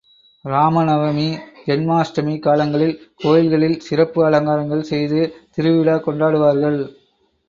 ராம நவமி, ஜன்மாஷ்டமி காலங்களில் கோயில்களில் சிறப்பு அலங்காரங்கள் செய்து திருவிழா கொண்டாடுவார்கள்.